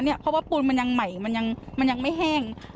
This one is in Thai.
เพราะว่าปูนมันยังใหม่มันยังไม่แห้ง